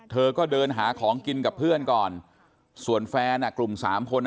เธอก็เดินหาของกินกับเพื่อนก่อนส่วนแฟนอ่ะกลุ่มสามคนอ่ะ